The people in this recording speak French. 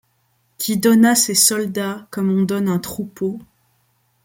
Qui donna ses soldats, comme on donne un troupeau